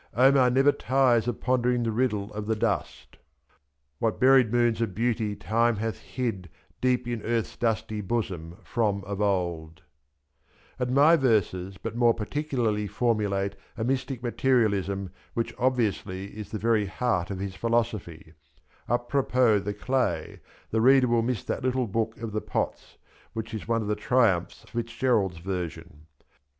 Omar never tires of pondering the riddle of the dust — What buried moons of beauty Time hath hid Deep in eartFs dusty bosom from of old; and my verses but more particularly formulate a mystic materialism which, obviously, is the very heart of his philosophy, A propos the clay, the reader will miss that little book of the pots which 15 is one of the triumphs of Fitz Gerald's version.